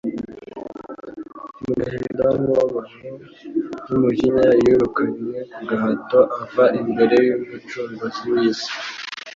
Mu gahinda n’umubabaro n’umujinya, yirukanywe ku gahato ava imbere y’Umucunguzi w’isi